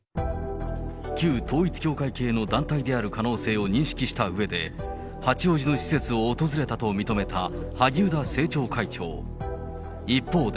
旧統一教会系の団体である可能性を認識したうえで、八王子の施設を訪れたと認めた萩生田政調会長。